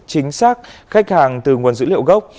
chính xác khách hàng từ nguồn dữ liệu gốc